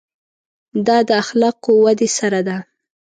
دا د اخلاقو ودې سره ده.